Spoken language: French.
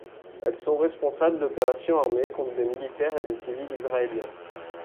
Elles sont responsables d'opérations armées contre des militaires et des civils israéliens.